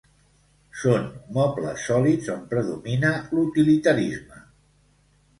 Són mobles sòlids on predomina l'utilitarisme.